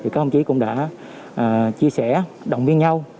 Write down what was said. các ông chí cũng đã chia sẻ động viên nhau